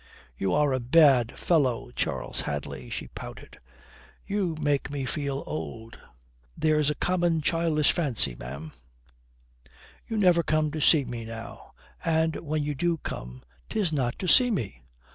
"You are a bad fellow, Charles Hadley," she pouted. "You make me feel old." "There's a common childish fancy, ma'am." "You never come to see me now. And when you do come, 'tis not to see me."